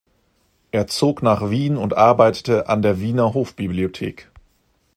Er zog nach Wien und arbeitete an der Wiener Hofbibliothek.